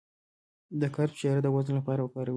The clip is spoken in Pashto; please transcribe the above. د کرفس شیره د وزن لپاره وکاروئ